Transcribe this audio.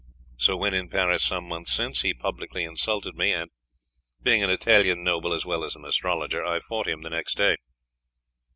So when in Paris some months since, he publicly insulted me, and being an Italian noble as well as an astrologer, I fought him the next day.